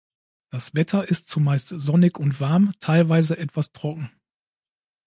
Das Wetter ist zumeist sonnig und warm, teilweise etwas trocken.